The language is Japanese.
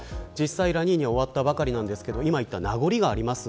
ラニーニャが終わったばかりですが今言った名残があります。